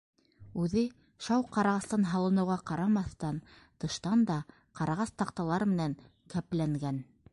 Үҙе, шау ҡарағастан һалыныуға ҡарамаҫтан, тыштан да ҡарағас таҡталар менән кәпләнгән.